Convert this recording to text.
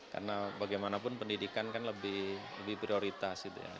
karena bagaimanapun pendidikan kan lebih prioritas gitu ya